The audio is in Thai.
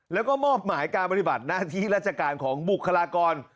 แล้วก็มอบหมายการปฏิบัติหน้าที่ราชการของบุคลากร